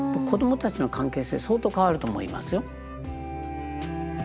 子どもたちの関係性相当変わると思いますよ。